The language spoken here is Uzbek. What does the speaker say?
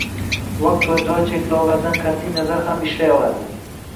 Vaqt va joy cheklovlaridan qatʼi nazar ham ishlay oladi.